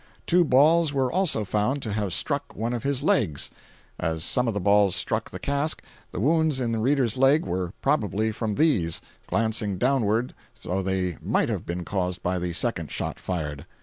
Two balls were also found to have struck one of his legs. As some of the balls struck the cask, the wounds in Reeder's leg were probably from these, glancing downwards, though they might have been caused by the second shot fired.